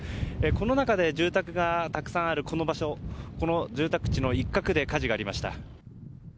この中で住宅がたくさんあるこの場所この住宅地の一角で火事がありました。